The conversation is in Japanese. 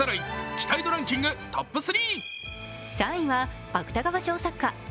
期待度ランキングトップ３！